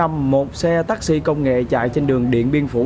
một xe taxi công nghệ chạy trên đường điện biên phủ